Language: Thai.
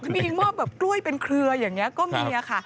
มีมอบแบบกล้วยเป็นเครืออย่างนี้ก็มีค่ะ